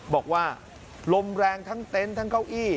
บอกว่าลมแรงทั้งเต็นต์ทั้งเก้าอี้